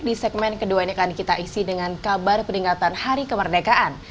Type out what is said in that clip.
di segmen kedua ini akan kita isi dengan kabar peringatan hari kemerdekaan